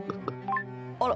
あら？